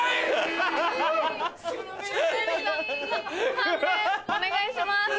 判定お願いします。